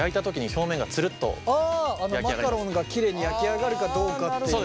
マカロンがきれいに焼き上がるかどうかっていう。